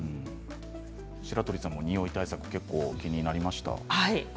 白鳥さんも、におい対策気になりましたか？